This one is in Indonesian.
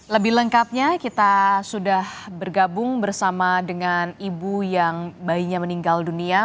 lebih lengkapnya kita sudah bergabung bersama dengan ibu yang bayinya meninggal dunia